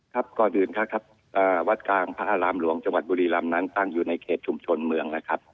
ก่อนอื่นครับครับวัดกลางพระอารามหลวงจังหวัดบุรีรำนั้นตั้งอยู่ในเขตชุมชนเมืองนะครับ